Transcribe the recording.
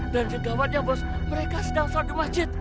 dan si gawatnya bos mereka sedang sholat di masjid